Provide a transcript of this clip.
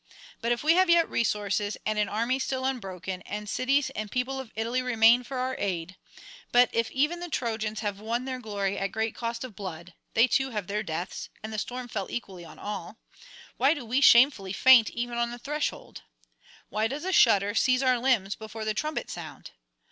But if we have yet resources and an army still unbroken, and cities and peoples of Italy remain for our aid; but if even the Trojans have won their glory at great cost of blood (they too have their deaths, and the storm fell equally on all), why do we shamefully faint even on the threshold? Why does a shudder seize our limbs before the trumpet sound?